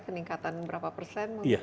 keningkatan berapa persen mungkin